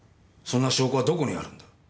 そんな証拠がどこにあるんだ。